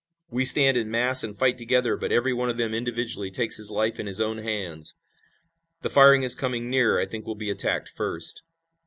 We stand in mass and fight together, but every one of them individually takes his life in his own hands. The firing is coming nearer. I think we'll be attacked first."